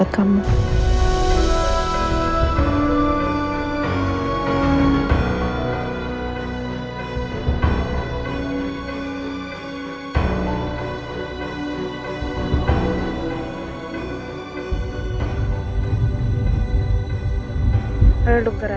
oke terima kasih banyak doktor